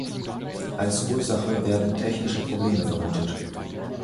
Als Ursache werden technische Probleme vermutet.